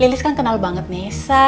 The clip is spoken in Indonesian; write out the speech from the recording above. lili kan kenal banget samees ya